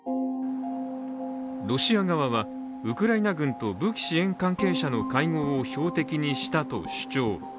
ロシア側はウクライナ軍と武器支援関係者の会合を標的にしたと主張。